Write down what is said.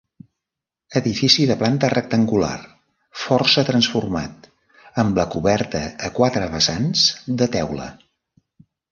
Edifici de planta rectangular, força transformat, amb la coberta a quatre vessants de teula.